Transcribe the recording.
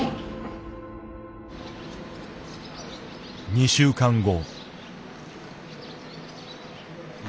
２週間後。